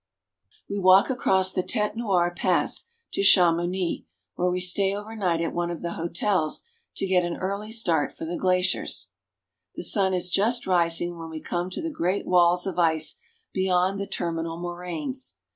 We walk across the Tete Noire (tat nwar) Pass to Chamouni, where we stay over night at one of the hotels to get an early start for the glaciers. The sun is just rising when we come to the great walls of ice beyond the terminal moraines.